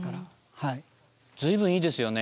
随分いいですよね。